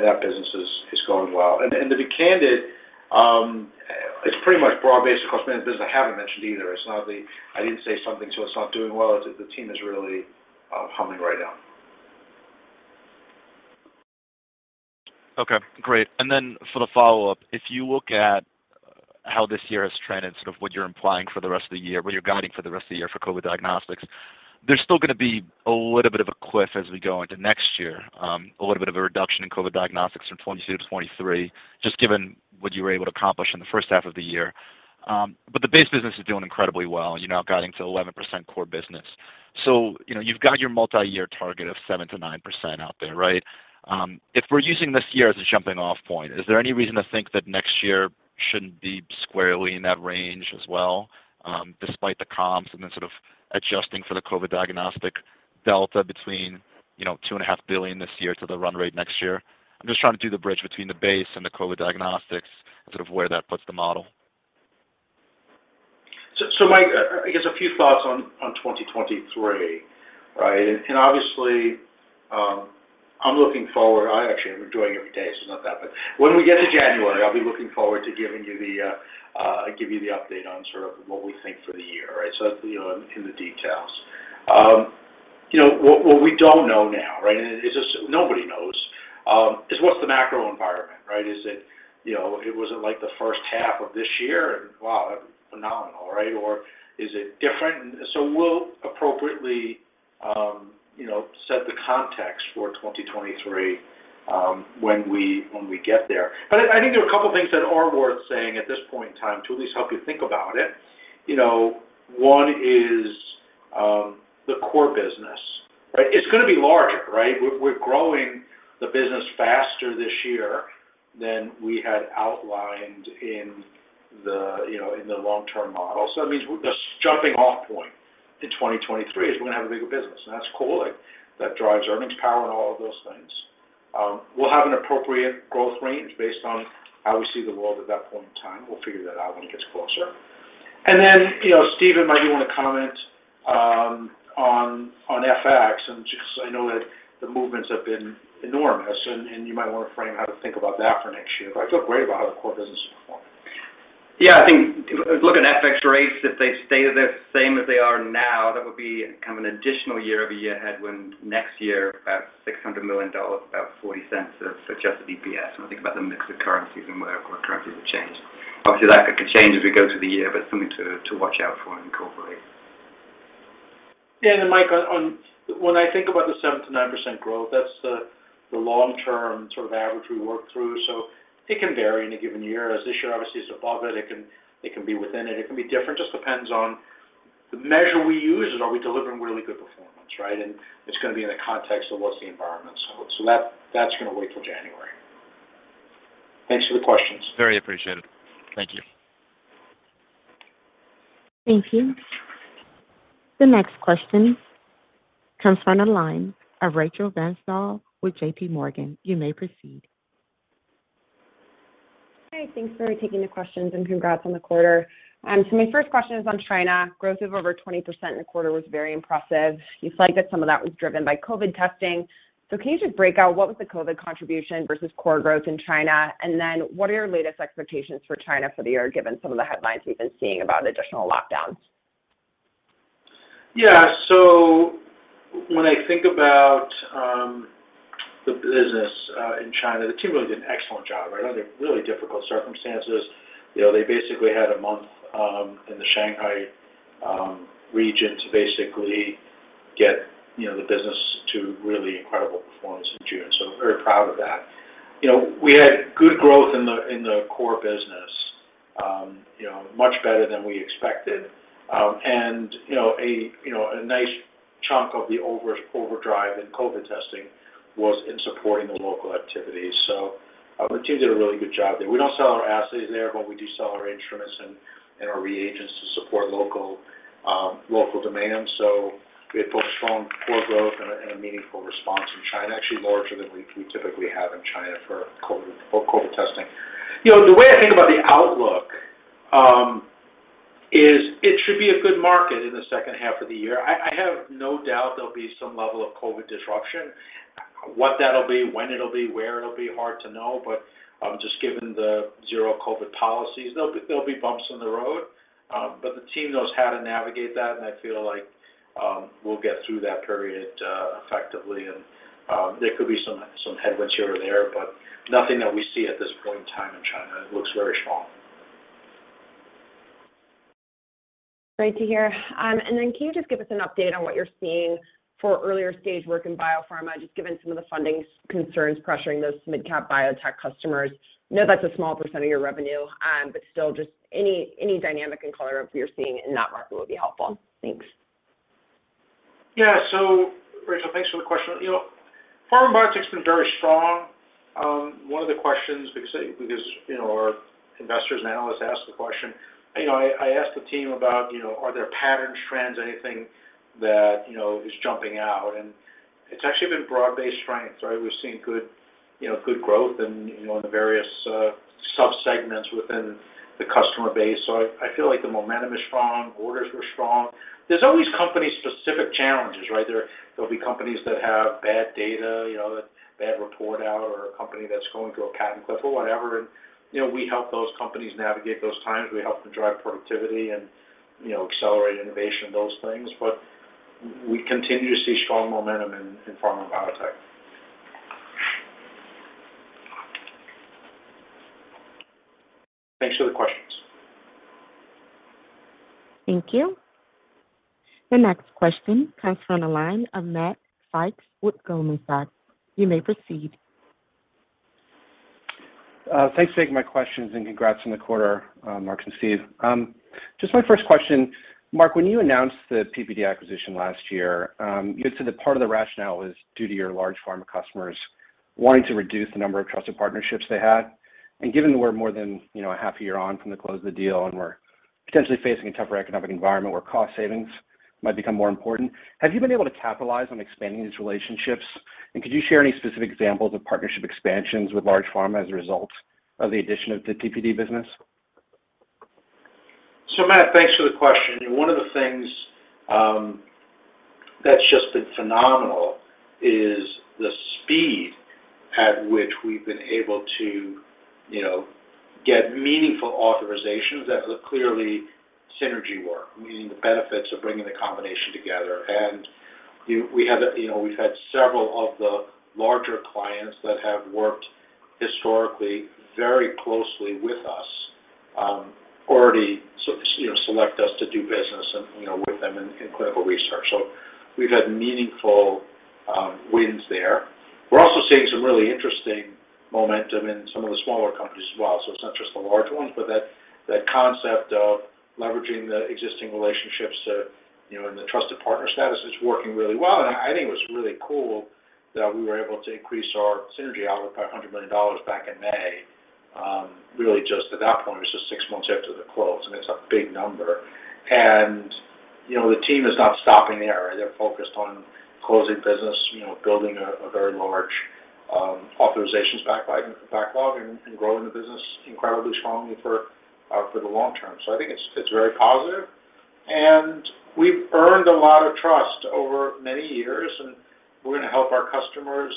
that business is going well. To be candid, it's pretty much broad-based across many of the business I haven't mentioned either. It's not the, "I didn't say something, so it's not doing well." The team is really humming right now. Okay. Great. For the follow-up, if you look at how this year has trended, sort of what you're implying for the rest of the year, what you're guiding for the rest of the year for COVID diagnostics, there's still gonna be a little bit of a cliff as we go into next year. A little bit of a reduction in COVID diagnostics from 2022-2023, just given what you were able to accomplish in the first half of the year. The base business is doing incredibly well. You're now guiding to 11% core business. You know, you've got your multi-year target of 7%-9% out there, right? If we're using this year as a jumping off point, is there any reason to think that next year shouldn't be squarely in that range as well, despite the comps and then sort of adjusting for the COVID diagnostic delta between, you know, $2.5 billion this year to the run rate next year? I'm just trying to do the bridge between the base and the COVID diagnostics and sort of where that puts the model. Mike, I guess a few thoughts on 2023, right? Obviously, I'm looking forward. I actually am enjoying every day, so it's not that. When we get to January, I'll be looking forward to giving you the update on sort of what we think for the year, right? That's, you know, in the details. You know, what we don't know now, right, and it's just nobody knows what's the macro environment, right? Is it, you know, was it like the first half of this year? Wow, phenomenal, right? Or is it different? We'll appropriately, you know, set the context for 2023 when we get there. I think there are a couple things that are worth saying at this point in time to at least help you think about it. You know, one is, the core business, right? It's gonna be larger, right? We're growing the business faster this year than we had outlined in the, you know, in the long-term model. So that means the jumping off point in 2023 is we're gonna have a bigger business, and that's cool. Like, that drives earnings power and all of those things. We'll have an appropriate growth range based on how we see the world at that point in time. We'll figure that out when it gets closer. You know, Stephen, might you want to comment on FX? Just I know that the movements have been enormous and you might want to frame how to think about that for next year. I feel great about how the core business is performing. Yeah. I think if you look at FX rates, if they stay the same as they are now, that would be kind of an additional year-over-year headwind next year, about $600 million, about $0.40 of adjusted EPS when we think about the mix of currencies and where core currencies have changed. Obviously, that could change as we go through the year, but something to watch out for and incorporate. Yeah. Mike, on when I think about the 7%-9% growth, that's the long-term sort of average we work through. It can vary in a given year. This year, obviously, is above it. It can be within it can be different. Just depends on the measure we use is, are we delivering really good performance, right? It's gonna be in the context of what's the environment. That's gonna wait till January. Thanks for the questions. Very appreciated. Thank you. Thank you. The next question comes from the line of Rachel Vatnsdal with J.P. Morgan. You may proceed. Hi, thanks for taking the questions, and congrats on the quarter. My first question is on China. Growth of over 20% in the quarter was very impressive. You flagged that some of that was driven by COVID testing. Can you just break out what was the COVID contribution versus core growth in China? What are your latest expectations for China for the year, given some of the headlines we've been seeing about additional lockdowns? Yeah. When I think about the business in China, the team really did an excellent job, right, under really difficult circumstances. You know, they basically had a month in the Shanghai region to basically get the business to really incredible performance in June. Very proud of that. You know, we had good growth in the core business, you know, much better than we expected. And you know, a nice chunk of the overdrive in COVID testing was in supporting the local activities. The team did a really good job there. We don't sell our assays there, but we do sell our instruments and our reagents to support local demand. We had both strong core growth and a meaningful response from China, actually larger than we typically have in China for COVID testing. You know, the way I think about the outlook is it should be a good market in the second half of the year. I have no doubt there'll be some level of COVID disruption. What that'll be, when it'll be, where it'll be, hard to know. Just given the zero COVID policies, there'll be bumps in the road. The team knows how to navigate that, and I feel like we'll get through that period effectively. There could be some headwinds here or there, but nothing that we see at this point in time in China. It looks very strong. Great to hear. Can you just give us an update on what you're seeing for earlier stage work in biopharma, just given some of the funding concerns pressuring those midcap biotech customers? You know that's a small percent of your revenue, but still just any dynamic and color of what you're seeing in that market would be helpful? Thanks. Yeah. Rachel, thanks for the question. You know, pharma and biotech's been very strong. One of the questions, because you know, our investors and analysts ask the question, you know, I ask the team about, you know, are there patterns, trends, anything that, you know, is jumping out? It's actually been broad-based strength, right? We've seen good, you know, good growth in, you know, in the various subsegments within the customer base. So I feel like the momentum is strong, orders were strong. There's always company-specific challenges, right? There'll be companies that have bad data, you know, that bad report out, or a company that's going through a patent cliff or whatever. You know, we help those companies navigate those times. We help them drive productivity and, you know, accelerate innovation and those things. We continue to see strong momentum in pharma and biotech. Thanks for the questions. Thank you. The next question comes from the line of Matt Sykes with Goldman Sachs. You may proceed. Thanks for taking my questions, and congrats on the quarter, Marc and Stephen. Just my first question, Marc, when you announced the PPD acquisition last year, you had said that part of the rationale was due to your large pharma customers wanting to reduce the number of trusted partnerships they had. Given that we're more than, you know, a half a year on from the close of the deal, and we're potentially facing a tougher economic environment where cost savings might become more important, have you been able to capitalize on expanding these relationships? Could you share any specific examples of partnership expansions with large pharma as a result of the addition of the PPD business? Matt, thanks for the question. One of the things that's just been phenomenal is the speed at which we've been able to, you know, get meaningful authorizations that look clearly synergy work, meaning the benefits of bringing the combination together. We had a, you know, we've had several of the larger clients that have worked historically very closely with us, already so, you know, select us to do business and, you know, with them in clinical research. We've had meaningful wins there. We're also seeing some really interesting momentum in some of the smaller companies as well, so it's not just the large ones, but that concept of leveraging the existing relationships, you know, and the trusted partner status is working really well. I think it was really cool that we were able to increase our synergy outlook by $100 million back in May, really just at that point, it was just six months after the close, and it's a big number. You know, the team is not stopping there. They're focused on closing business, you know, building a very large authorizations backlog and growing the business incredibly strongly for the long term. I think it's very positive. We've earned a lot of trust over many years, and we're gonna help our customers,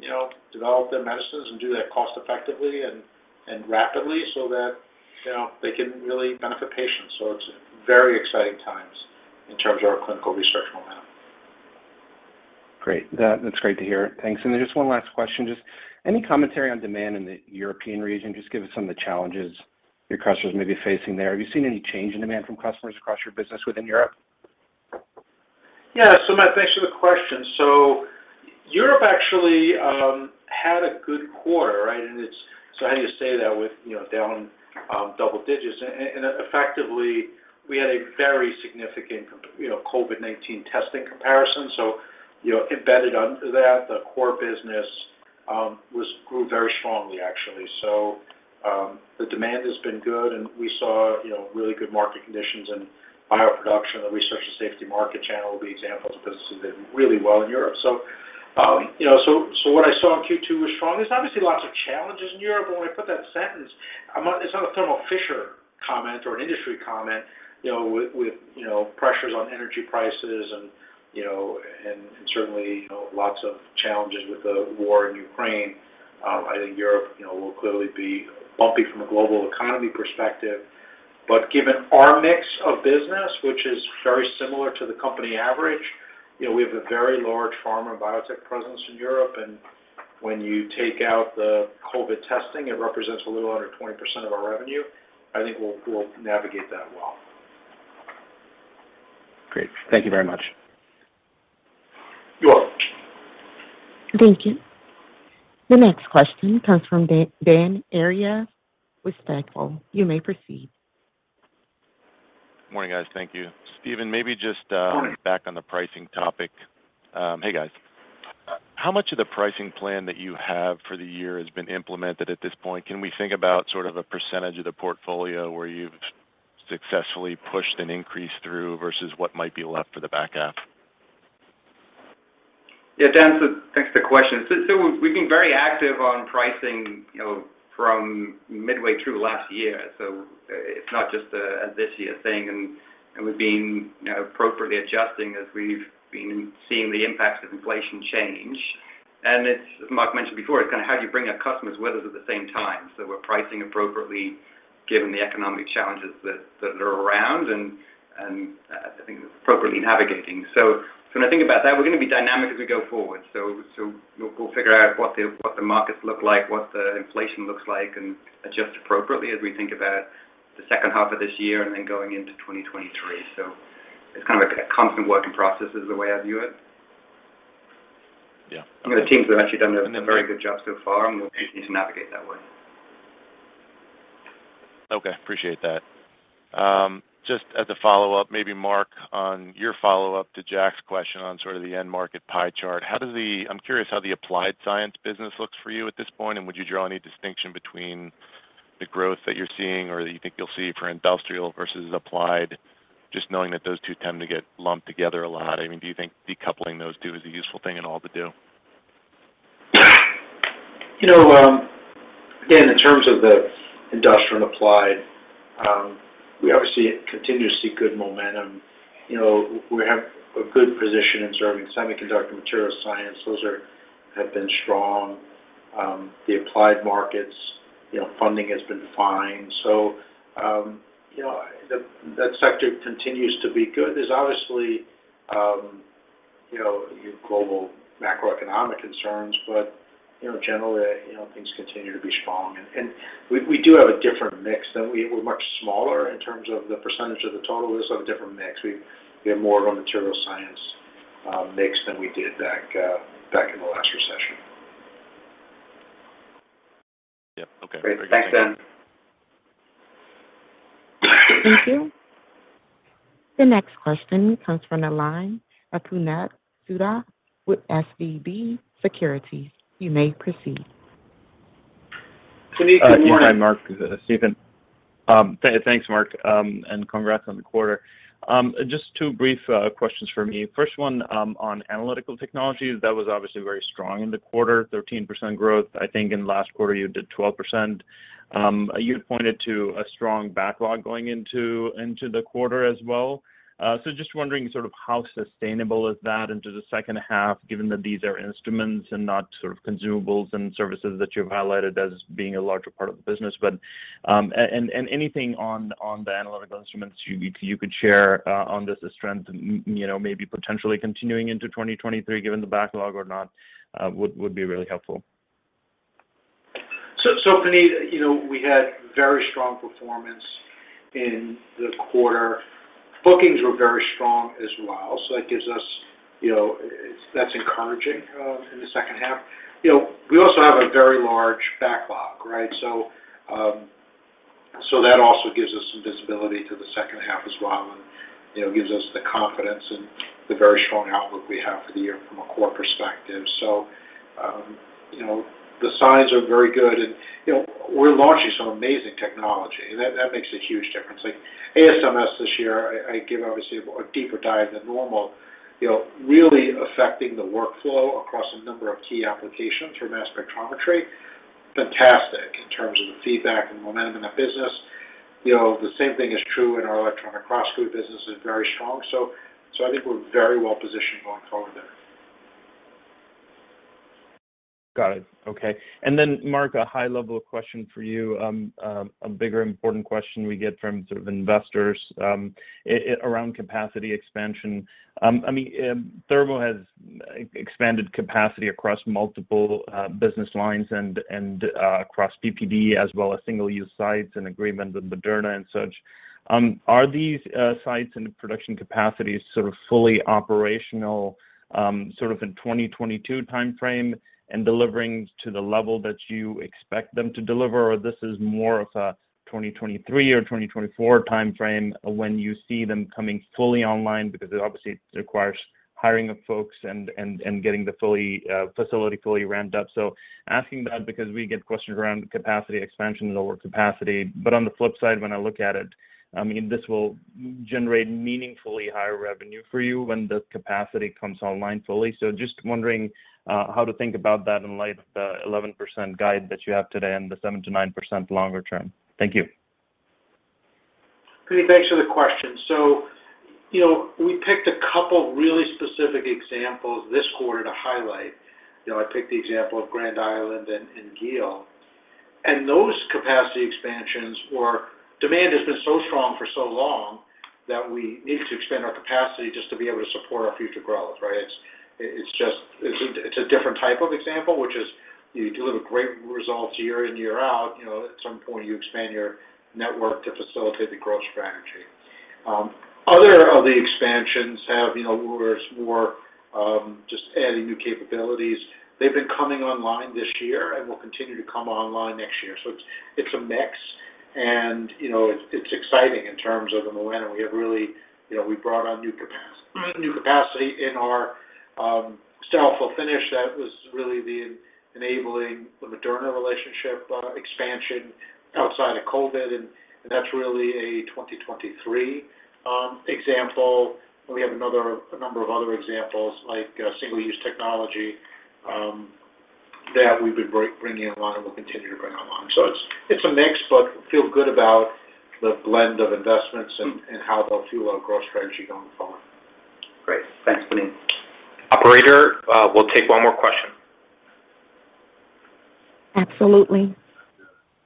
you know, develop their medicines and do that cost effectively and rapidly so that, you know, they can really benefit patients. It's very exciting times in terms of our clinical research momentum. Great. That's great to hear. Thanks. Just one last question. Just any commentary on demand in the European region? Just give us some of the challenges your customers may be facing there. Have you seen any change in demand from customers across your business within Europe? Yeah. Matt, thanks for the question. Europe actually had a good quarter, right? And how do you say that with down double digits? And effectively, we had a very significant, you know, COVID-19 testing comparison. Embedded under that, the core business grew very strongly actually. The demand has been good, and we saw, you know, really good market conditions in bioproduction. The Research and Safety market channel were examples of businesses that did really well in Europe. You know, what I saw in Q2 was strong. There's obviously lots of challenges in Europe, and when I put that sentence, it's not a Thermo Fisher comment or an industry comment, you know, with pressures on energy prices and certainly lots of challenges with the war in Ukraine. I think Europe will clearly be bumpy from a global economy perspective. Given our mix of business, which is very similar to the company average, you know, we have a very large pharma biotech presence in Europe, and when you take out the COVID testing, it represents a little under 20% of our revenue. I think we'll navigate that well. Great. Thank you very much. You're welcome. Thank you. The next question comes from Dan Arias with Stifel. You may proceed. Morning, guys. Thank you. Stephen, maybe just, Morning. Back on the pricing topic. Hey, guys. How much of the pricing plan that you have for the year has been implemented at this point? Can we think about sort of a percentage of the portfolio where you've successfully pushed an increase through versus what might be left for the back half? Yeah, Dan, thanks for the question. We've been very active on pricing, you know, from midway through last year. It's not just a this year thing. We've been, you know, appropriately adjusting as we've been seeing the impacts of inflation change. It's, as Marc mentioned before, kind of how do you bring up customers with us at the same time. We're pricing appropriately given the economic challenges that are around, and I think appropriately navigating. When I think about that, we're gonna be dynamic as we go forward. We'll figure out what the markets look like, what the inflation looks like, and adjust appropriately as we think about the second half of this year and then going into 2023. It's kind of a constant work in process is the way I view it. Yeah. I mean, the teams have actually done a very good job so far, and we'll continue to navigate that way. Okay. Appreciate that. Just as a follow-up, maybe Marc, on your follow-up to Jack's question on sort of the end market pie chart, I'm curious how the applied science business looks for you at this point, and would you draw any distinction between the growth that you're seeing or that you think you'll see for industrial versus applied, just knowing that those two tend to get lumped together a lot? I mean, do you think decoupling those two is a useful thing at all to do? You know, again, in terms of the industrial and applied, we obviously continue to see good momentum. You know, we have a good position in serving semiconductor material science. Those have been strong. The applied markets, you know, funding has been fine. So, you know, that sector continues to be good. There's obviously, you know, your global macroeconomic concerns, but, you know, generally, you know, things continue to be strong. We do have a different mix than we were much smaller in terms of the percentage of the total. We have a different mix. We have more of a material science mix than we did back in the last recession. Yeah. Okay. Great. Thanks, Dan. Thank you. The next question comes from the line of Puneet Souda with SVB Securities. You may proceed. Puneet, good morning. Hi, Marc. Stephen. Thanks, Marc, and congrats on the quarter. Just two brief questions from me. First one, on Analytical Technologies. That was obviously very strong in the quarter, 13% growth. I think in last quarter, you did 12%. You pointed to a strong backlog going into the quarter as well. So just wondering sort of how sustainable is that into the second half, given that these are instruments and not sort of consumables and services that you've highlighted as being a larger part of the business. And anything on the Analytical Instruments you could share on this as trends and, you know, maybe potentially continuing into 2023, given the backlog or not, would be really helpful. Puneet, you know, we had very strong performance in the quarter. Bookings were very strong as well, so that gives us, you know. That's encouraging in the second half. You know, we also have a very large backlog, right? That also gives us some visibility to the second half as well, and, you know, gives us the confidence and the very strong outlook we have for the year from a core perspective. You know, the signs are very good and, you know, we're launching some amazing technology, and that makes a huge difference. Like ASMS this year, I give obviously a deeper dive than normal, you know, really affecting the workflow across a number of key applications for mass spectrometry. Fantastic in terms of the feedback and momentum of business. You know, the same thing is true in our electron microscopy business. It's very strong. I think we're very well positioned going forward there. Got it. Okay. Then Marc, a high-level question for you. A bigger important question we get from sort of investors around capacity expansion. I mean, Thermo has expanded capacity across multiple business lines and across PPD as well as single use sites and agreement with Moderna and such. Are these sites and production capacities sort of fully operational sort of in 2022 timeframe and delivering to the level that you expect them to deliver? Or this is more of a 2023 or 2024 timeframe when you see them coming fully online because it obviously requires hiring of folks and getting the facility fully ramped up. Asking that because we get questions around capacity expansion and overcapacity. On the flip side, when I look at it, I mean, this will generate meaningfully higher revenue for you when the capacity comes online fully. Just wondering how to think about that in light of the 11% guide that you have today and the 7%-9% longer term? Thank you. Puneet, thanks for the question. You know, we picked a couple of really specific examples this quarter to highlight. You know, I picked the example of Grand Island and Geel. Those capacity expansions where demand has been so strong for so long that we need to expand our capacity just to be able to support our future growth, right? It's just a different type of example, which is you deliver great results year in, year out, you know, at some point you expand your network to facilitate the growth strategy. Others of the expansions have, you know, where it's more, just adding new capabilities. They've been coming online this year and will continue to come online next year. It's a mix and, you know, it's exciting in terms of the momentum. We have really we brought on new capacity in our sterile fill finish. That was really the enabling the Moderna relationship expansion outside of COVID, and that's really a 2023 example. We have a number of other examples, like, single-use technology that we've been bringing online and will continue to bring online. It's a mix, but feel good about the blend of investments and how they'll fuel our growth strategy going forward. Great. Thanks, Puneet. Operator, we'll take one more question. Absolutely.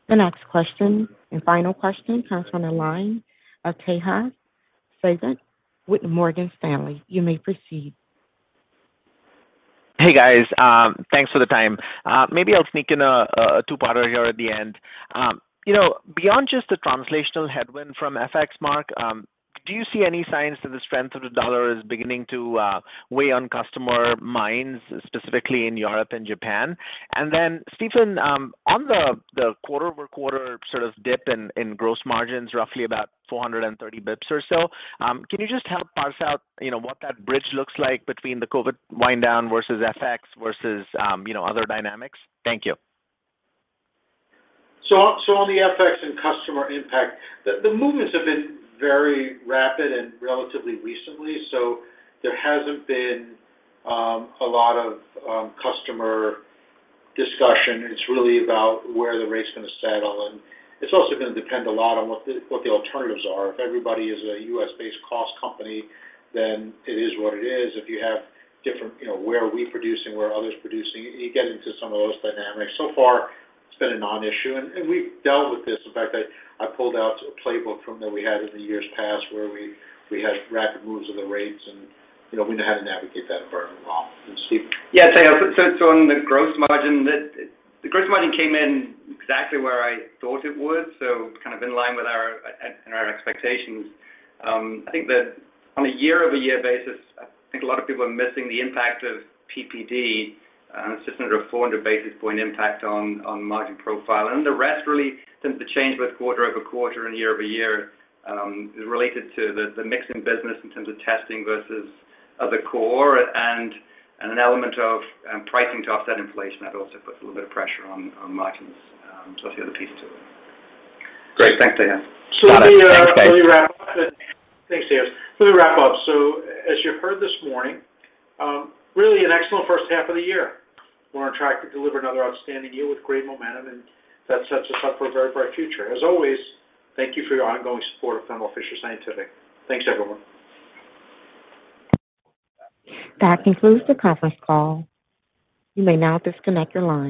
The next question and final question comes from the line of Tejas Savant with Morgan Stanley. You may proceed. Hey, guys, thanks for the time. Maybe I'll sneak in a two-parter here at the end. You know, beyond just the translational headwind from FX, Marc, do you see any signs that the strength of the dollar is beginning to weigh on customer minds, specifically in Europe and Japan? Then, Stephen, on the quarter-over-quarter sort of dip in gross margins, roughly about 430 basis points or so, can you just help parse out, you know, what that bridge looks like between the COVID wind down versus FX versus, you know, other dynamics? Thank you. On the FX and customer impact, the movements have been very rapid and relatively recently. There hasn't been a lot of customer discussion. It's really about where the rate's gonna settle, and it's also gonna depend a lot on what the alternatives are. If everybody is a U.S.-based customer, then it is what it is. If you have different, you know, where are we producing, where are others producing, you get into some of those dynamics. So far it's been a non-issue, and we've dealt with this. In fact, I pulled out a playbook from the years past where we had rapid moves of the rates and, you know, we know how to navigate that environment well. Stephen? Yeah, Tejas. On the gross margin, the gross margin came in exactly where I thought it would, kind of in line with our expectations. I think that on a year-over-year basis, I think a lot of people are missing the impact of PPD. It's just under a 400 basis point impact on the margin profile. The rest really tends to change both quarter-over-quarter and year-over-year, related to the mix in business in terms of testing versus other core and an element of pricing to offset inflation. That also puts a little bit of pressure on margins. That's the other piece to it. Great. Thanks, Tejas. Thanks, Tejas. Let me wrap up. As you heard this morning, really an excellent first half of the year. We're on track to deliver another outstanding year with great momentum, and that sets us up for a very bright future. As always, thank you for your ongoing support of Thermo Fisher Scientific. Thanks, everyone. That concludes the conference call. You may now disconnect your line.